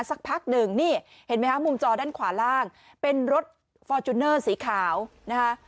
สักพักหนึ่งนี่เห็นไหมฮะมุมจอด้านขวาล่างเป็นรถฟอร์จูเนอร์สีขาวนะคะ